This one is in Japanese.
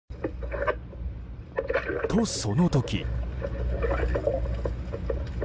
と、その時。